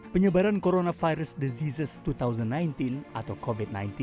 penyebaran coronavirus diseases dua ribu sembilan belas atau covid sembilan belas